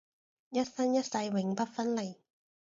一生一世永不分離